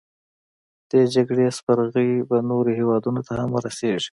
دې جګړې سپرغۍ به نورو هیوادونو ته هم ورسیږي.